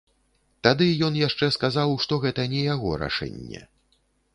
Тады ён яшчэ сказаў, што гэта не яго рашэнне.